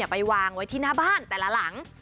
ไปวางไว้ที่หน้าบ้านแต่ละหลัง